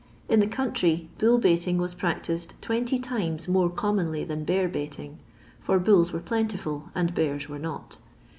In the country, bull baiting was practised twenty times more commonly than bear oaiting ; for bulls were plentiful, and bears were not.